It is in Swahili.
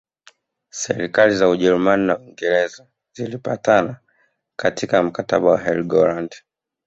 Serikali za Ujerumani na Uingereza zilipatana katika mkataba wa Helgoland